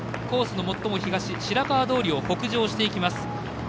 コースの最も左、白川通を北上していきます。